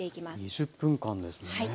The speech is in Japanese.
２０分間ですね。